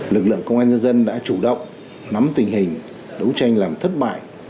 lực lượng công an nhân dân đã chủ động nắm tình hình đấu tranh làm thất bại